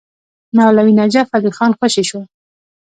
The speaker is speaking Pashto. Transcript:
مولوي نجف علي خان خوشي شو.